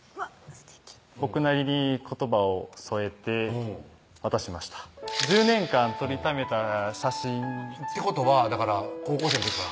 すてき僕なりに言葉を添えて渡しました１０年間撮りためた写真ってことはだから高校生の時から？